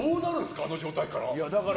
あの状態から。